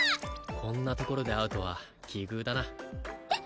こんなところで会うとは奇遇だなえっ？